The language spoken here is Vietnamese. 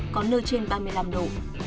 có nơi trên ba mươi năm độ